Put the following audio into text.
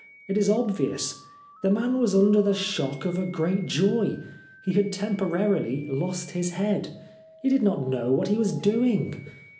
It is obvious. The man was under the shock of a great joy. He had temporarily lost his head. He did not know what he was doing.